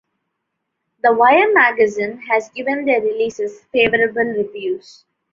"The Wire" magazine has given their releases favourable reviews.